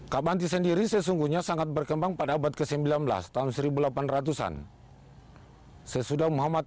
kabanti sendiri sesungguhnya sangat berkembang pada abad ke sembilan belas tahun seribu delapan ratus an